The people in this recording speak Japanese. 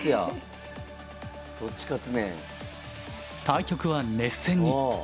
対局は熱戦に。